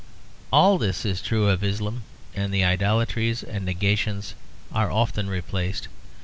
All this is true of Islam and the idolatries and negations are often replaced.